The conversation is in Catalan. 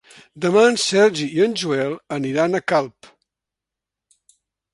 Demà en Sergi i en Joel aniran a Calp.